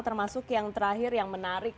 termasuk yang terakhir yang menarik